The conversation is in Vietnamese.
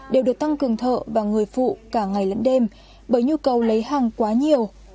đều được tăng cường thợ và người phụ cả ngày lẫn đêm bởi nhu cầu lấy hàng quá nhiều